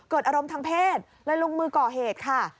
อารมณ์ทางเพศเลยลงมือก่อเหตุค่ะ